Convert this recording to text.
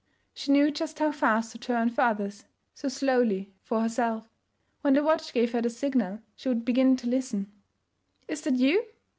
She knew just how fast to turn for others; so slowly for herself. When the watch gave her the signal she would begin to listen. 'Is that you?